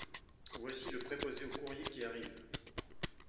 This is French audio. Voici le préposé au courrier qui arrive.